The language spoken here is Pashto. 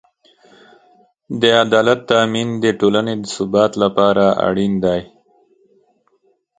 د عدالت تأمین د ټولنې د ثبات لپاره اړین دی.